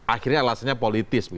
akhirnya alasannya politis